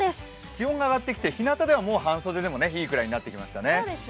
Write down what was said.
気温が上がってきてひなたでは半袖でもいいくらいになってきましたね。